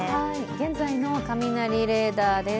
現在の雷レーダーです。